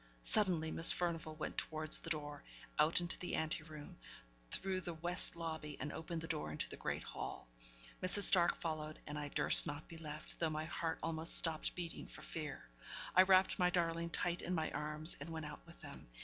Suddenly Miss Furnivall went towards the door, out into the ante room, through the west lobby, and opened the door into the great hall. Mrs. Stark followed, and I durst not be left, though my heart almost stopped beating for fear. I wrapped my darling tight in my arms, and went out with them.